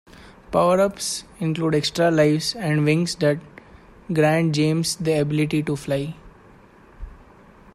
Power-ups include extra lives and wings that grant James the ability to fly.